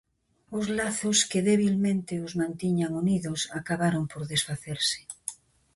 Os lazos que debilmente os mantiñan unidos acabaron por desfacerse.